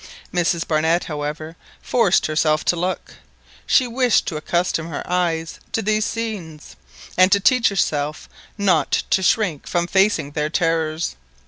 Mrs Barnett, however, forced herself to look; she wished to accustom her eyes to these scenes, and to teach herself not to shrink from facing their terrors.